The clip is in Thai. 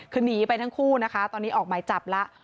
คือหนีไปทั้งคู่นะคะตอนนี้ออกหมายจับแล้ว